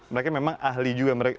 mereka memang ahli juga